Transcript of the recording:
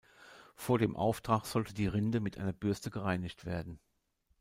Vor dem Auftrag sollte die Rinde mit einer Bürste gereinigt werden.